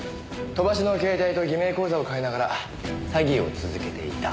飛ばしの携帯と偽名口座を変えながら詐欺を続けていた。